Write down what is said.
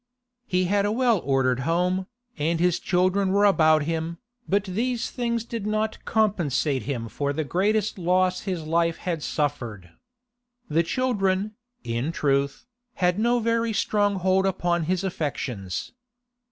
He had a well ordered home, and his children were about him, but these things did not compensate him for the greatest loss his life had suffered. The children, in truth, had no very strong hold upon his affections.